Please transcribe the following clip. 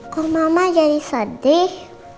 kok mama jadi sedih